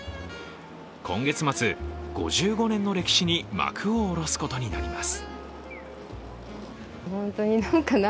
今月末、５５年の歴史に幕を下ろすことになります。